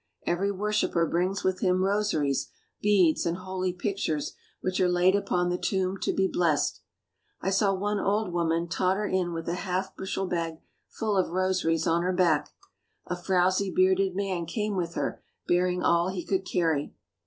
Every worshipper brings with him rosaries, beads, and holy pictures which are laid upon the tomb to be blessed. I saw one old woman totter in with a half bushel bag full of rosaries on her back; a frowsy bearded man came with her, bearing all he could carry.